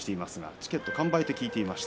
チケットは完売と聞いていました。